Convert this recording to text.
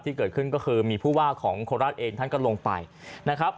ที่เกิดขึ้นก็คือมีผู้ว่าของโคราชเองท่านก็ลงไปนะครับ